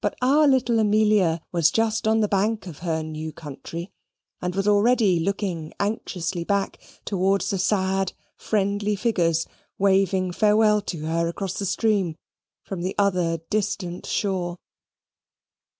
But our little Amelia was just on the bank of her new country, and was already looking anxiously back towards the sad friendly figures waving farewell to her across the stream, from the other distant shore.